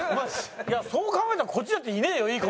そう考えたらこっちだっていねえよいい駒。